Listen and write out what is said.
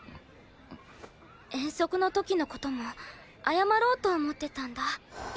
遠足の時の事も謝ろうと思ってたんだ。